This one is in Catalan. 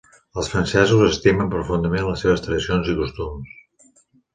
Els francesos estimen profundament les seves tradicions i costums